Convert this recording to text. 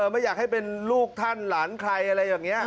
มันอยากให้เป็นลูกท่านหลานใครอะไรยังไงนะครับ